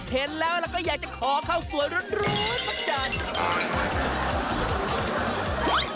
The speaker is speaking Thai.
เห็นแล้วแล้วก็อยากจะขอเข้าสวนรุนสักจันทร์